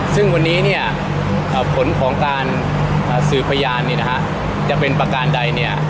ซึ่งวันนี้เนี่ยผลของการสืบพยานจะเป็นประการใดเนี่ย